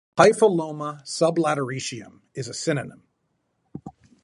"Hypholoma sublateritium" is a synonym.